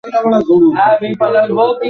বসে কী হল খুলে বলো সব।